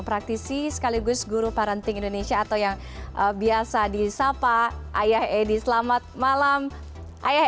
praktisi sekaligus guru parenting indonesia atau yang biasa disapa ayah edi selamat malam ayah